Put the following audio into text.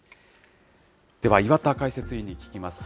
では、岩田解説委員に聞きます。